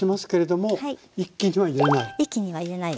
一気には入れない。